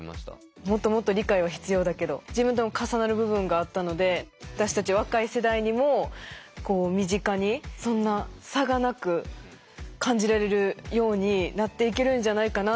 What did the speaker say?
もっともっと理解は必要だけど自分とも重なる部分があったので私たち若い世代にもこう身近にそんな差がなく感じられるようになっていけるんじゃないかなって改めて今思いました。